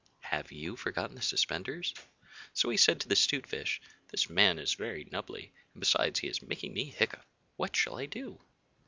(Have you forgotten the suspenders?) So he said to the 'Stute Fish, 'This man is very nubbly, and besides he is making me hiccough. What shall I do?